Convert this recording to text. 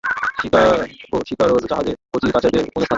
শিকারর জাহাজে কচি-কাঁচাদের কোনো স্থান নেই।